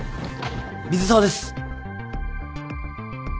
水沢です！